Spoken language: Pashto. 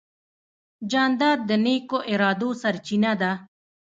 جانداد د نیکو ارادو سرچینه ده.